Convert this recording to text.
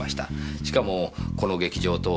しかもこの劇場と事件